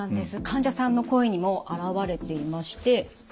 患者さんの声にも表れていまして。